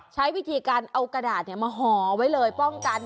ใช้วิธีการเอากระดาษมาห่อไว้เลยป้องกัน